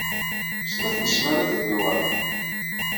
Snat n ssmanat ad d-uɣaleɣ.